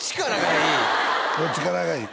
どっちからがいい？